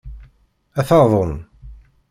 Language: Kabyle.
Ad taḍen.